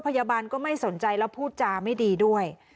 พยาบาลก็ไม่สนใจแล้วพูดจาไม่ดีด้วย